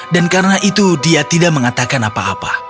dan karena itu dia tidak mengatakan apa apa